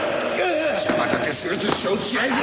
邪魔立てすると承知しないぞ！